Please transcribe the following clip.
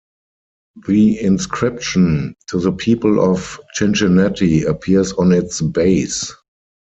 The inscription "To the People of Cincinnati" appears on its base.